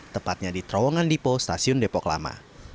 tepatnya di terowongan dipo stasiun depok lama